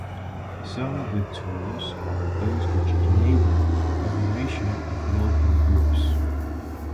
Some of the tools are those which enable the formation of local groups.